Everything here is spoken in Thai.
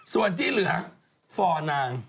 ส่วนที่เหลือฟอร์นาง